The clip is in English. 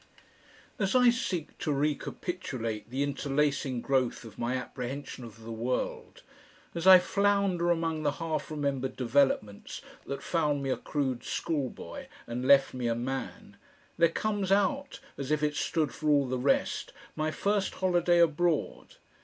8 As I seek to recapitulate the interlacing growth of my apprehension of the world, as I flounder among the half remembered developments that found me a crude schoolboy and left me a man, there comes out, as if it stood for all the rest, my first holiday abroad.